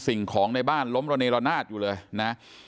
สิ่งของในบ้านล้มระเนรนาศอยู่เลยนะ